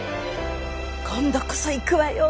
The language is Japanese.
今度こそ行くわよ